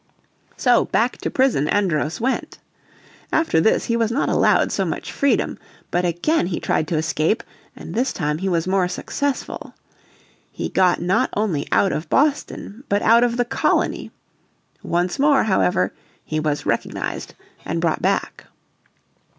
So back to prison Andros went. After this he was not allowed so much freedom. But again he tried to escape, and this time he was more successful. He got not only out of Boston, but out of the colony. Once more, however, he was recognised and brought back.